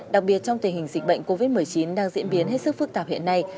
đặc biệt trong tình hình dịch bệnh covid một mươi chín đang diễn biến hết sức phức tạp hiện nay